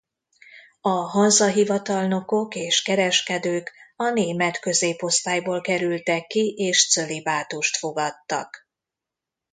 A Hanza-hivatalnokok és kereskedők a német középosztályból kerültek ki és cölibátust fogadtak.